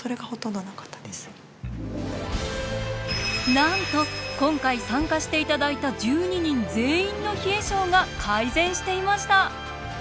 なんと今回参加して頂いた１２人全員の冷え症が改善していました。